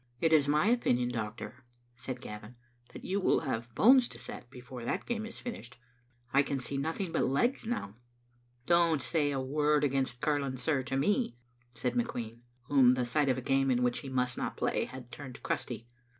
It is my opinion, doctor," said Gavin, " that you will have bones to set before that game is finished. I can see nothing but legs now." " Don't say a word against curling, sir, to me," said McQueen, whom the sight of a game in which he must not play had turned crusty.